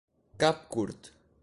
Cap curt.